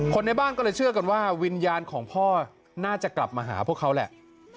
ในบ้านก็เลยเชื่อกันว่าวิญญาณของพ่อน่าจะกลับมาหาพวกเขาแหละ